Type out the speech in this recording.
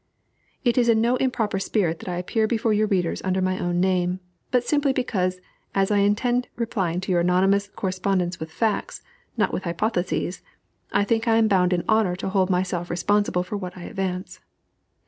It is in no improper spirit that I appear before your readers under my own name, but simply because, as I intend replying to your anonymous correspondents with facts, not with hypotheses, I think I am bound in honor to hold myself responsible for what I advance.